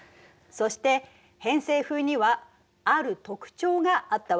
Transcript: そして偏西風にはある特徴があったわよね。